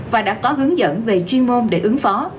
và đã có hướng dẫn về chuyên môn để ứng phó